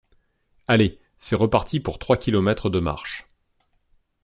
Aller, c'est reparti pour trois kilomètres de marche.